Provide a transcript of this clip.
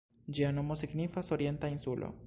Ĝia nomo signifas "Orienta insulo".